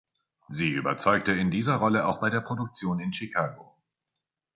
Sie überzeugte in dieser Rolle auch bei der Produktion in Chicago.